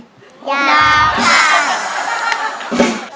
อยาก